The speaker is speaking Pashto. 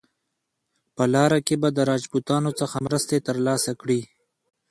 په لاره کې به د راجپوتانو څخه مرستې ترلاسه کړي.